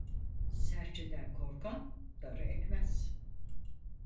Serçeden korkan darı ekmez.